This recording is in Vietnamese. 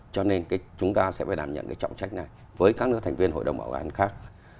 cho nên chúng ta sẽ phải đảm nhận cái trọng trách này với các nước thành viên hội đồng bảo an khác